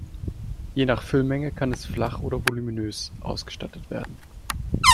Je nach Füllmenge kann es flach oder voluminös ausgestattet werden.